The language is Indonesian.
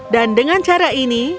dan dengan cara ini